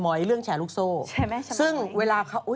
สวัสดีค่าข้าวใส่ไข่